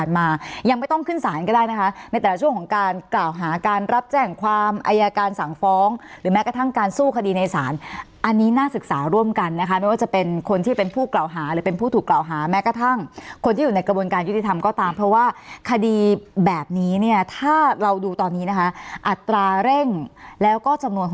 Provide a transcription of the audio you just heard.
มายังไม่ต้องขึ้นศาลก็ได้นะคะในแต่ละช่วงของการกล่าวหาการรับแจ้งความอายการสั่งฟ้องหรือแม้กระทั่งการสู้คดีในศาลอันนี้น่าศึกษาร่วมกันนะคะไม่ว่าจะเป็นคนที่เป็นผู้กล่าวหาหรือเป็นผู้ถูกกล่าวหาแม้กระทั่งคนที่อยู่ในกระบวนการยุติธรรมก็ตามเพราะว่าคดีแบบนี้เนี่ยถ้าเราดูตอนนี้นะคะอัตราเร่งแล้วก็จำนวน